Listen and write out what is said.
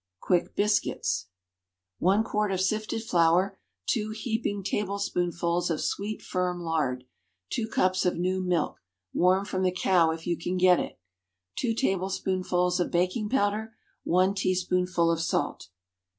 Quick Biscuits. One quart of sifted flour. Two heaping tablespoonfuls of sweet, firm lard. Two cups of new milk (warm from the cow if you can get it.) Two tablespoonfuls of baking powder. One teaspoonful of salt.